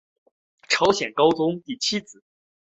朝鲜高宗第七子。